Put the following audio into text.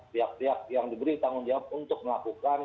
pihak pihak yang diberi tanggung jawab untuk melakukan